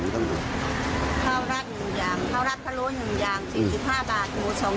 ก็เพิ่มต้นทุนข้าวรัด๑อย่างข้าวรัดพะโล้๑อย่าง๔๕บาท๒ชิ้น